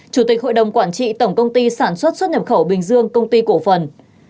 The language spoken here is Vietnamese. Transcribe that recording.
chủ tịch hội đồng quản trị tổng công ty sản xuất xuất nhập khẩu bình dương công ty cổ phần